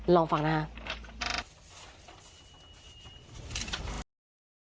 ลองฟังนะครับ